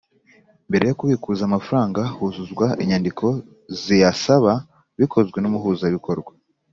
Mbere yo kubikuza amafaranga huzuzwa inyandiko ziyasaba bikozwe n’Umuhuzabikorwa.